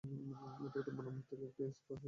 এটি রোমান আমল থেকেই একটি স্পা হিসেবে পরিচিত।